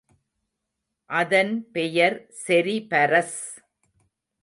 அதன் பெயர் செரிபரஸ்.